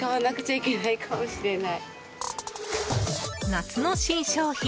夏の新商品！